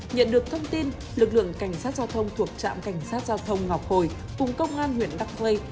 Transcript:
nhận được thông tin lực lượng cảnh sát giao thông thuộc trạm cảnh sát giao thông ngọc hồi cùng công an huyện đắc hây